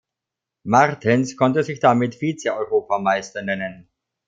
Martens konnte sich damit Vizeeuropameister nennen.